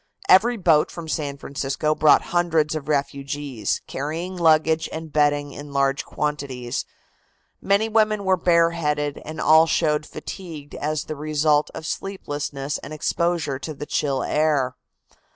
Every boat from San Francisco brought hundreds of refugees, carrying luggage and bedding in large quantities. Many women were bareheaded and all showed fatigue as the result of sleeplessness and exposure to the chill air.